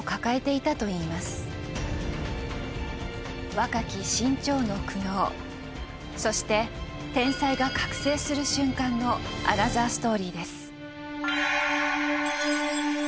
若き志ん朝の苦悩そして天才が覚醒する瞬間のアナザーストーリーです。